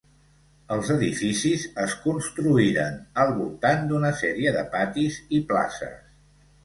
Els edificis es construïren al voltant d'una sèrie de patis i places.